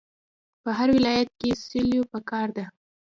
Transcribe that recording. په هر ولایت کې سیلو پکار ده.